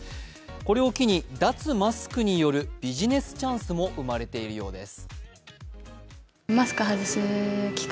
これを機に、脱マスクによるビジネスチャンスも生まれているようです。